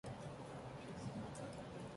He fought in Piedmont, in Valsesia and Ossola.